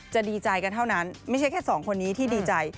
ดีใจกันเท่านั้นไม่ใช่แค่สองคนนี้ที่ดีใจ